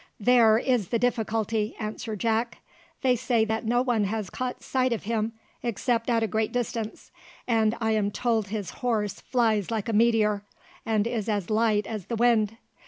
"There is the difficulty," answered Jack. "They say that no one has caught sight of him except at a great distance; and I am told his horse flies like a meteor, and is as light as the wind.